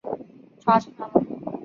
抓住他们！